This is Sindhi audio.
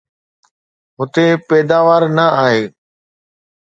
هتي پيداوار نه آهي؟